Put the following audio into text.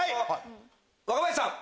若林さん。